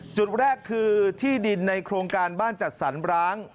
จุดแรกคือที่ดินในโครงการบ้านจัดสรรร้าง